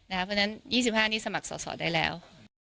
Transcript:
นะฮะเพราะฉะนั้นยี่สิบห้านี้สมัครสอบสอบได้แล้ว